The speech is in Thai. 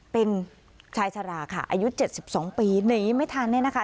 เป็นชายชราค่ะอายุเจ็ดสิบสองปีหนีไม่ทันเนี่ยนะคะ